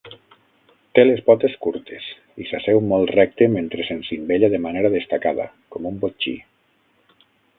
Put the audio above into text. Té les potes curtes i s'asseu molt recte mentre s'encimbella de manera destacada, com un botxí.